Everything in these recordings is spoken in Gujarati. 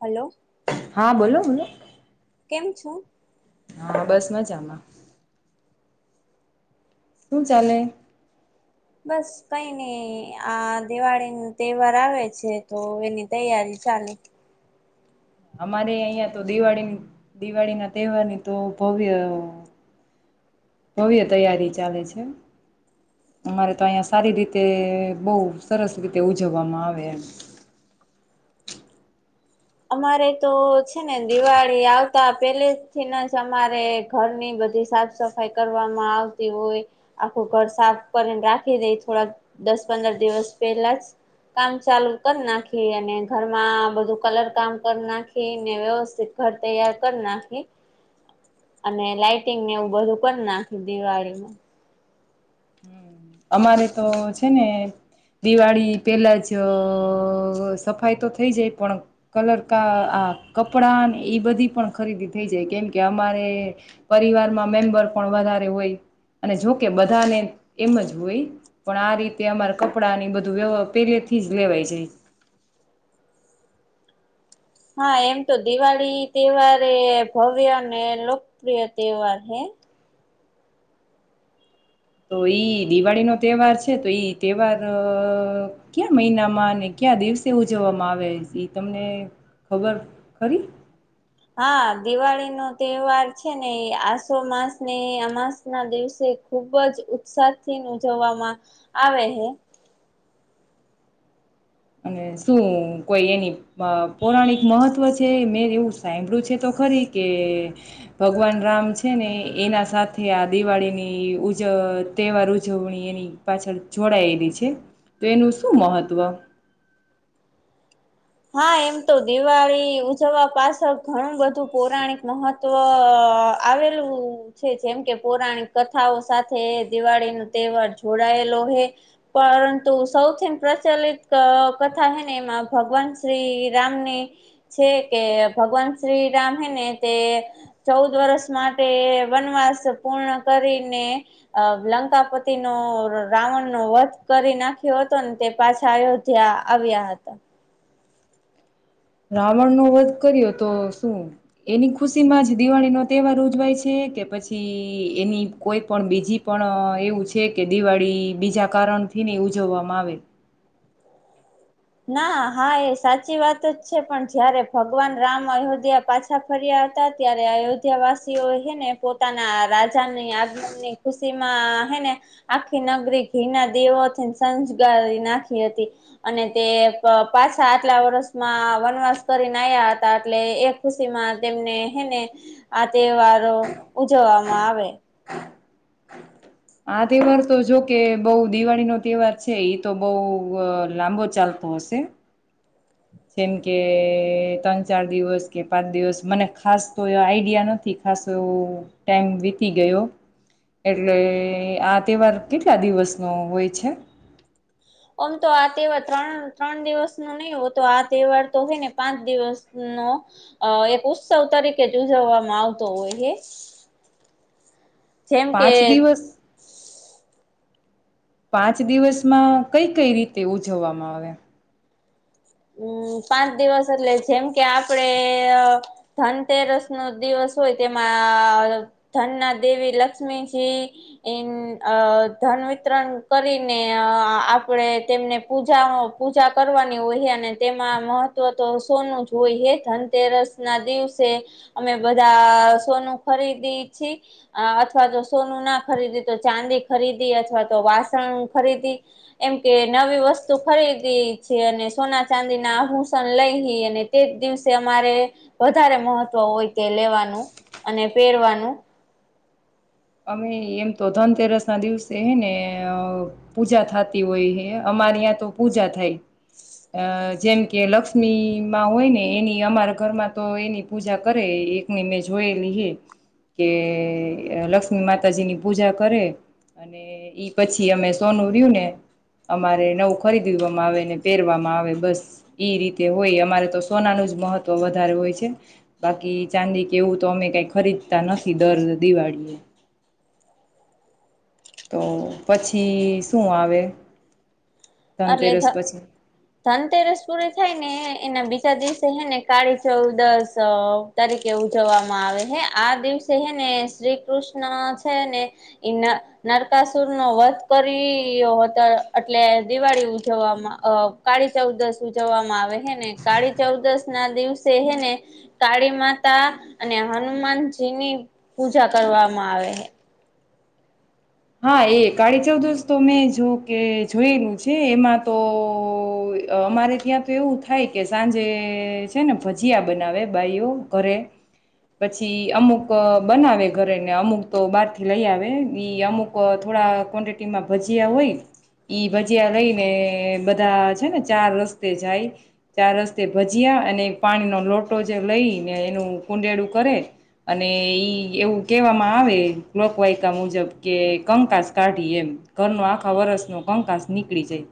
હલો. હા બોલો બોલો. કેમ છુ હા બસ મજામાં. શું ચાલે. બસ કઈ નઈ આ દિવાળી ની તહેવાર આવે છે તો એની તૈયારી ચાલે. અમારે અહિયાં તો દિવાળી ની દિવાળી ના તહેવારની તો ભવ્ય ભવ્ય તૈયારી ચાલે છે અમારે તો અહં સારી રીતે બહ સરસ રીતે ઉજવવામાં આવે એમ. અમારે તો છે ને દિવાળી આવતા પેલે થીને જ અમારે ઘરની બધી સાફ સફાઈ કરવામાં આવતી હોય આખું ઘર સાફ કરીને રાખી દે થોડા દસ પંદર દિવસ પહેલા જ કામ ચાલુ કરી નાખી અને ઘરમાં બધું કલર. કામ કરી નાખી ને વ્યવસ્થિત ઘર તૈયાર કરી નાખી અને લાઈટંગને એવું બધું કરી નાખી દિવાળીમાં. અમારે તો છે ને દિવાળી પેલા જ સફાઈ તો થઈ જાય પણ કલર ક આ કપડા ને ઈ બધી પણ ખરીદી થઈ જાય કેમકે અમારે પરિવારમાં મેમ્બર પણ વધારે હોય અને જોકે બધાને એમ જ પણ આ રીતે અમારે કપડા ની બધું વ્યવ પેલેથી જ લેવાય જાય. હા એમ તો દિવાળી તહેવાર એ ભવ્ય અને લોકપ્રિય તહેવાર હે. તો ઈ દિવાળીનો તહેવાર છે તો ઈ તહેવાર ક્યા મહિનામાં અને કયા દિવસે ઉજવવામાં આવે ઈ તમને ખબર ખરી. હા દિવાળી નો તહેવાર છે ને એ આસો અમાસના દિવસે ખુબ જ ઉત્સાહથી ઉજવવામાં આવે હ. અને શું કોઈ એની પૌરાણિક મહત્વ છે મેં એવું સાંભળ્યું છે તો ખરી કે ભગવાન રામ છે ને એના સાથે આ દિવાળીની ઉજવ તહેવાર ઉજવણી એની પાછળ જોડાયેલી છે તો એનું શું મહત્વ. હા એમ તો દિવાળી ઉજવવા પાછળ ઘણું બધું પૌરાણિક મહત્વ આવેલું છે જેમ કે પૌરાણિક કથાઓ સાથે દિવાળી ન તહેવાર જોડાયેલો હ પરંતુ સૌથી પ્રચલિત કથા હે ને એમાં ભગવાન. શ્રી રામની છે કે ભગવાન શ્રી રામ હેને તે ચૌદ વર્ષ માટે વનવાસ પૂર્ણ કરીને લંકાપતિ નો રાવણ નો વધ કરી નાખ્યો હતો તે પાછા અયોધ્યા આવ્યા હતા. રાવણનોો વધ કર્યો તો શું એની ખુશી માં જ દિવાળીનોો તહેવાર ઉજવાય છે કે પછી એની કોઈ પણ બીજી પણ એવું છે કે દિવાળી બીજા કારણથી નહી ઉજવવામાં આવે. ના હા એ સાચી વાત જ છે પણ જયારે ભગવાન રામ અયોધ્યા પાછા ફર્યા હતા ત્યારે અયોધ્યા વાસીઓ હને પોતાના રાજાની આગમનની ખુશીમાં હને આખી નગરી ઘીના દેવોથી સંજગારી નાખી હતી અને. તે પાછા આટલા વર્ષમાં વનવાસ કરીને આવ્યા હતા એટલે એ ખુશી માં તેમને હેને આ તહેવારો ઉજવવામાં આવે. આ તહેવાર તો જો કે બહ દિવાળી નો તહેવાર છે એ તો બઉ લાંબો ચાલતો હશે. જેમ કે ત્રણ ચાર દિવસ કે પાંચ દિવસ મને ખાસ તો એ આઈડિયા નથી ખાસ એવો ટાઈમ વીતી ગયો એટલે આ તહેવાર કેટલા દિવસનો હોય છે. આમ તો આ તહેવાર ત્રણ ત્રણ દિવસ ન નહીિ હો તો આ તહેવાર તો હોય ને પાંચ દિવસ નો એક ઉત્સવ તરીકે જ ઉજવવામાં આવતો હોય હ. પાંચ દિવસ પાંચ દિવસમાં કઈ કઈ રીતે ઉજવવામાં આવે. હમ પાંચ દિવસ એટલે જેમ કે આપડે ધનતેરસનો દિવસ હોય તેમાં ધનના દેવી લક્ષ્મીજી ધન વિતરણ કરીને આપડે તેમને પૂજા પૂજા કરવાની હો. તેમાં મહત્વ તો સોનું જ હોય હ ધનતેરસના દિવસે અમે બધા સોનું ખરીદી છીએ અથવા તો સોનુંના ખરીદી તો ચાંદી ખરીદી અથવા તો વાસણ ખરીદી એમ કે નવી વસ્તુ ખરીદી છીએ અને સોના. ચાંદીના આભૂષણ લઈ અને તે જ દિવસે અમારે વધારે મહત્વ હોય તે લેવાનું અને પહેરવાનું. અમે એમ તો ધનતેરસના દિવસે હે ને પૂજા થતી હોય હે અમારી ત તો પૂજા થાય અ જેમ કે લક્ષ્મીમાં હોયને એની અમારા ઘરમાં તો એની પૂજા કરે એકની મેં જોયેલી હે કે લક્ષ. લમી માતાજીની પૂજા કરે અને ઈ પછી અમે સોનું રયુંને અમારે નવું ખરીદવામાં આવેને પહેરવામાં આવે બસ ઈ રીતે હોય અમારે તો સોનાનું જ મહત્વ વધારે હોય છે. બાકી ચાંદી કે એવું તો અમે કઈ ખરીદતા નથી દર દિવાળી એ. તો પછી શું આવે. એટલે ધનતેરસ ધ પછી ધનતેરસ પૂરી થાયને એના બીજા દિવસે હેને કાળી ચૌદશ તરીકે ઉજવવામાં આવે હે આ દિવસે હેને શ્રી કૃષ્ણ છે ને એ નરકાસુરનો વધ કર્યો હતો એટલે. દિવાળી ઉજવવામાં કાળી ચૌદશ જવામાં આવે હ ને કાળી ચૌદશના દિવસે એને કાળી માતા અને હનુમાનજીની પૂજા કરવામાં આવે છે. હા એ કાળી ચૌદશ તો મેં જો કે જોયેલું છે એમાં તો અમારે ત્યાં તો એવું થાય કે સાંજે છે ને ભજીયા બનાવે બાાઈઓ ઘરે પછી અમુક બનાવે ઘરેને અમુક તો બહારથી લઈ આવે અમુક થોડા ક્વોન્ટિટીમાં ભજીયા હોય એ ભજીયા લઈને બધા છે ને ચાર રસ્તે જાય ચાર રસ્તે ભજીયા અને પાણીનો લોટો જે લઈને એનું કુંડેળું કરે અને એ એવું કહેવામાં આવે લોકવાયકા મુજબ કે કંકાસ કાઢી એમ ઘરનો આખા વરષનો કંકાસ નીકળી જાય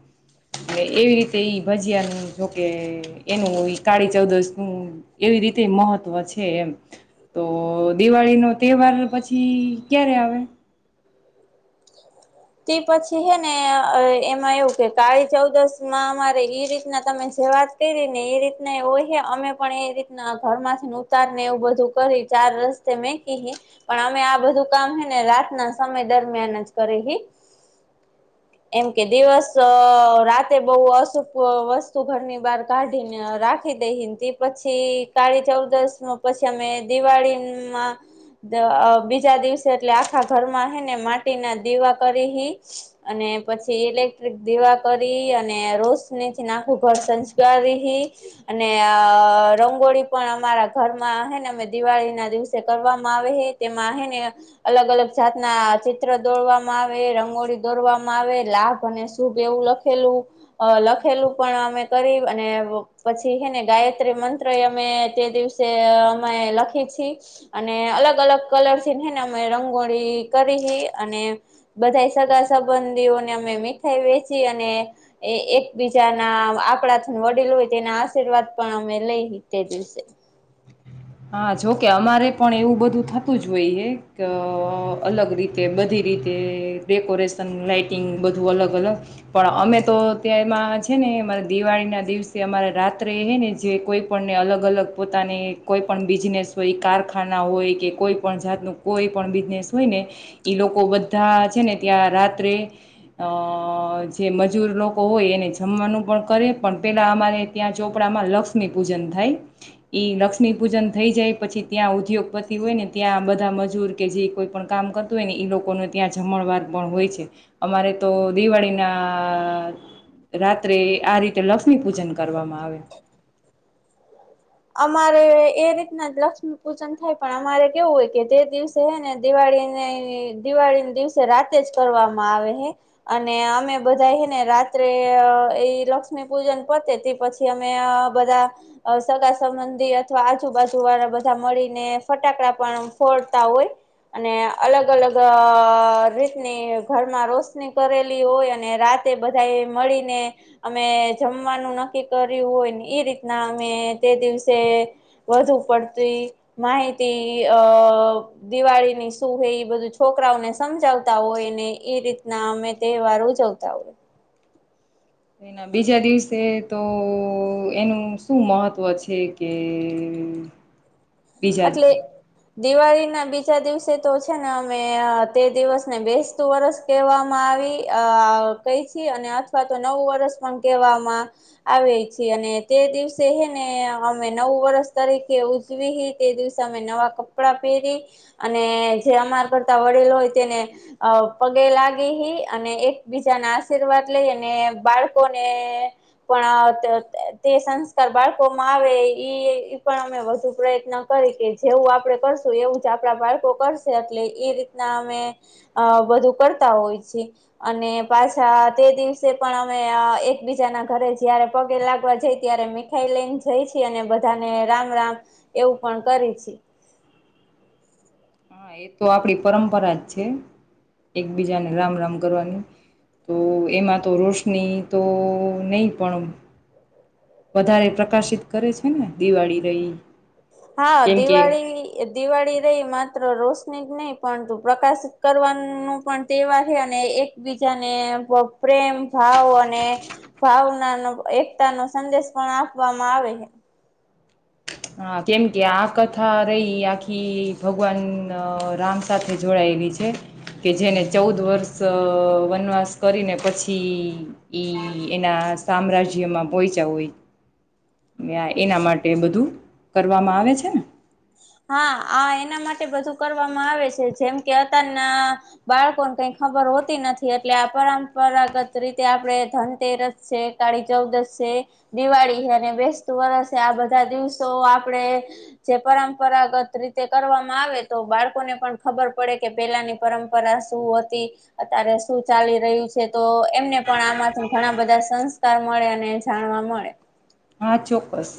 એટલે એવી રીતે ઈ ભજીયાનું મૂકે એનું એ કાળી ચૌદશનું એવી રીતે મહત્વ છે એમ તો દિવાળીનો તહેવાર પછી ક્યારે આવે તે પછી હે ને એમાં એવું કે કાળી ચૌદશમાં અમારે એ રીતના તમે જે વાત કરી ને એ રીતના એ હોય અમે પણ એ રીતના ઘરમાંથીને ઉતાર ને એવું બધું કરી ચાર રસ્તે મેકી પણ અમે આ બધું કામ હેને રાતના સમય દરમિયાન જ કરી એમ કે દિવસ રાતે બહુ અશુભ વસ્તુ ઘરની બહાર કાઢીને રાખી દઈ તે પછી કાળી ચૌદશ પછી અમે દિવાળીમાં બીજા દિવસે એટલે આખા ઘરમાં હને માટીના દિવા કરી અને પછી ઇલેક્ટ્રિક દીવા કરી અને રોશનીથી આખું ઘર શણગારી અને રંગોળી પણ અમારા ઘરમાં હેને અમે દિવાળીના દિવસે કરવામાં આવે હે તેમાં અ ને અલગ અલગ જાત ના ચિત્ર દોરવામાં હવે રંગોળી દોરવામાં આવે લાભ અને શુભ એવું લખેલું, લખેલું પણ અમે અમે કરીએ અને પછી હને ગાયત્રી મંત્ર અમે જે દિવસે અમે લખીએ છીએ અને અલગ અલગ કલરથી હેને અમે રંગોળી કરી અને બધા સગા સંબંધીઓને અમે મીઠાઈ વેચી અને એકબીજાના આપણાથી વડીલ હોય તેના આશીર્વાદ પણ અમે લઈ તે દિવસે હા જોકે અમારે પણ એવું બધું થતું જ હોઈએ કે અલગ રીતે બધી રીતે ડેકોરેશન લાઇટિંગ બધું અલગ અલગ પણ અમે તો ત્યાં એમાં છે ને અમારે દિવાળીના દિવસે અમારે રાત્રે હ ને જે કોઈપણને અલગ અલગ પોતાની કોઈ પણ બિઝનેસ હોય કારખાના હોય કે કોઈ પણ જાતનું કોઈ પણ બિઝનેસ હોય ને લોકો બધા છે ને ત્યાં રાત્રે જે મજૂર લોકો હોય એને જમવાનું પણ કરે પણ પેલા અમારે ત્યાં ચોપડામાં લક્ષ્મી પૂજન થાય લક્ષ લક્ષ્મી પૂજન થઈ જાય પછી ત્યાં ઉદ્યોગપતિ હોય ને ત્યાં બધા મજૂર કે જે કોઈ પણ કામ કરતું હોય ને એઈ લોકોને ત્યાં જમણવાર પણ હોય છે. અમારે તો દિવાળી ના રાત્રે આ રીતે લક્ષ્મી પૂજન કરવામાં આવે. અમારે એ રીતના લક્ષ્મી પૂજન થાય પણ અમારે કેવું હોય કે તે દિવસે હે ને દિવાળીને દિવાળી દિવસે રાતે જ કરવામાં આવે હે અને અમે બધા હેને રાત્રે એ લક્ષ્મી પૂજન પતે તે પછી અમે બધા સગા સંબંધી અથવા આજુબાજુવાળા બધા મળીને ફટાકડા પણ ફોડતા હોય અને અલગ અલગ રીતની ઘરમાં રોશની કરેલી હોય અને રાતે બધા એ મળીને અમે જમવાનું નક્કી કર્યું હોયને એ રીતના અમે તે દિવસે વધુ પડતી માહિતી અ દિવાળીની શું હે એ બધું છોકરાઓને સમજાવતા હોયને એ રીતના અમે તહેવાર ઉજવતા હોય. એના બીજા દિવસે તો એનું શું મહત્ત્વ છે કે બીજન એટલે દિવાળી ના બીજા દિવસે તો છે ને અમે તે દિવસને બેસતું વરસ કહેવામાં આવી કઈ છીએ અને અથવા તો નવું વરષ પણ કહેવામાં આવે છી અને તે દિવસે હ ને અમે નવું વરસ તરીકે ઉજવી તે દિવસે અમે નવા કપડા પહેરી અને જે અમારા કરતા વડીલો હોય તેને પગે લાગી અને એકબીજાના આશીર્વાદ લઈ અને બાળકોને પણ તે સંસ્કાર બાળકો માં આવે પણ અમે વધુ પ્રયત્ન જેવું આપડે કરશું એવું જ આપણા બાળકો કરશે એટલે એ રીતના અમે બધું કરતા હોય છીએ અને પાછા તે દિવસે પણ અમે એકબીજાના ઘરે જયારે પગે લાગવા જાય ત્યારે મીઠાઈ લઈને જઈ છીએ અને બધાને રામ રામ એવું પણ કરીએ છીએ. હા એ તો આપણી પરંપરા જ છે. એકબીજાને રામ રામ કરવાની તો એમાં તો રોશની તો નહ પણ વધારે પ્રકાશિત કરે છે ને દિવાળી રહી હા કેમ કે દિવાળી દિવાળી રહી માત્ર રોશની જ નહી પરંતુ પ્રકાશ કરવાનું પણ તહેવાર છે અને એકબીજાને પ્રેમ ભાવ અને ભાવના એકતા નો સંદેશ પણ આપવામાં આવે છે. હ કેમ કે આ કથા રહી આખી ભગવાન રામ સાથે જોડાયેલી છે કે જેને ચૌદ વર્ષ વનવાસ કરીને પછી ઈ એના સામ્રાજ્યમાં પહોચ્યા હોય. એના માટે બધું કરવામાં આવે છે ને હા આ એના માટે બધું કરવામાં આવે છે જેમ કે અત્યારના બાળકોને કઈ ખબર હોતી નથી એટલે આ પરંપરાગત રીતે આપડ ધનતેરસ છે કાળી ચૌદશ છે દિવાળી છે અને બેસત વરસ છે આ બધા દિવસો આપડે જે પરંપરાગત રીતે કરવામાં આવે તો બાળકોને પણ ખબર પડે કે પેલાની પરંપરા શું હતી અત્યારે શું ચાલી રહ્યું છે તો એમને પણ આમાંથી ઘણા બધા સંસ્કાર મળે અને જાણવા મળે. આ ચોક્કસ